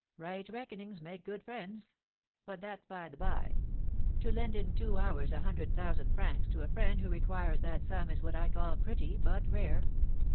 Right reckonings make good friends, but that's by the by. To lend in two hours a hundred thousand francs to a friend who requires that sum is what I call pretty, but rare.